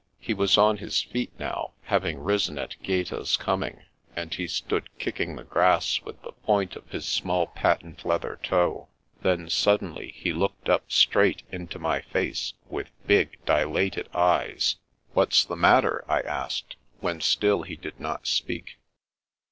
He was on his feet now, having risen at Gaeta's coming, and he stood kicking the grass with the point of his small patent leather toe. Then, sud denly, he looked up straight into my face, with big dilated eyes. 246 The Princess Passes " W'hat's the matter? '' I asked, when still he did not speak.